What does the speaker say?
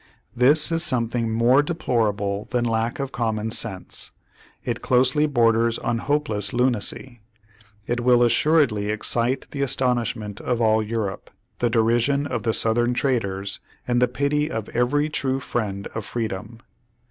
This is something more deplorable than lack of common sense. It closely borders on hopeless lunacy. It will assuredly excite the astonishment of all Europe, the derision of the Southern traitors, and the pity of every true friend of freedom.